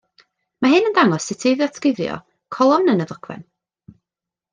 Mae hyn yn dangos sut i ddatguddio colofn yn y ddogfen.